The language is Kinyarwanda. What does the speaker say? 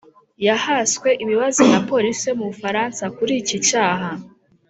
yahaswe ibibazo na polisi yo mu Bufaransa kuri iki cyaha